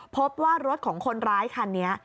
พบว่ารถของคนร้ายคันนี้